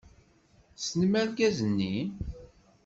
Tessnem argaz-nni?